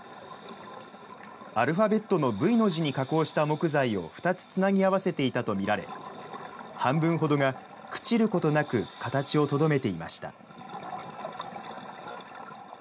アルファベットのＶの字に加工した木材を２つつなぎ合わせていたと見られ、半分ほどが朽ちることなく、形をとどめていました。